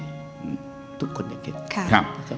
คิดว่าทุกคนอยากเห็น